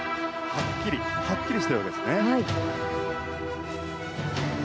はっきりとしているんですね。